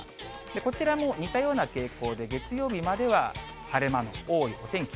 こちらも似たような傾向で、月曜日までは晴れ間の多い天気。